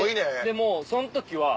でもうそん時は。